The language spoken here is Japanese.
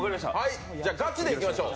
ガチでいきましょう。